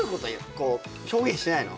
こう表現してないの？